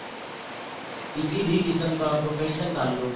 کسی بھی قسم کا پروفیشنل تعلق